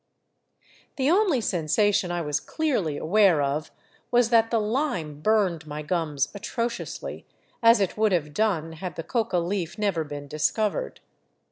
The only sensation I was clearly aware of was that the lime burned my gums atrociously, as it would have done had the coca leaf never VAGABONDING DOWN THE ANDES been discovered.